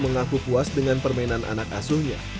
mengaku puas dengan permainan anak asuhnya